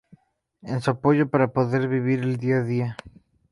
Es su apoyo para poder vivir el día a día...